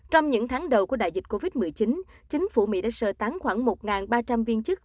trong những tháng đầu của đại dịch covid một mươi chín chính phủ mỹ đã sơ tán khoảng một ba trăm linh viên chức